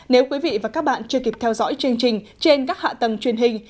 nếu quý vị và các bạn chưa kịp theo dõi chương trình trên các hạ tầng truyền hình